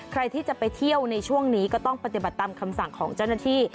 ใครที่จะไปเที่ยวในช่วงนี้ก็ต้องปฏิบัติตามคำสั่งของเจ้าหน้าที่